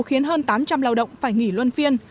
khiến hơn tám trăm linh lao động phải nghỉ luân phiên